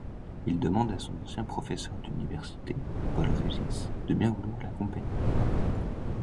Il demande à son ancien professeur d'université, Paul Régis, de bien vouloir l'accompagner.